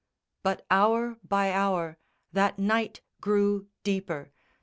But hour by hour that night grew deeper.